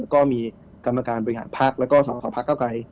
ก็มีกรรมการบริหารภักดิ์และก็ศศภักดิ์เกาะไกร